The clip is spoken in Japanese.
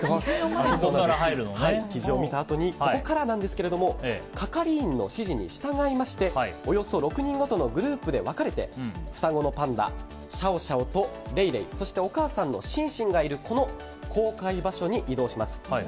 キジを見たあとにここからなんですが係員の指示に従いましておよそ６人ごとのグループで分かれて双子のパンダシャオシャオとレイレイそしてお母さんのシンシンがいるこの公開場所に移動します。